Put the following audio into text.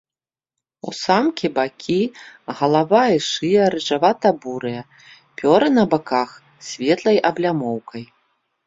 У самкі бакі, галава і шыя рыжавата-бурыя, пёры на баках з светлай аблямоўкай.